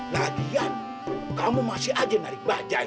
nadian kamu masih aja narik bajaj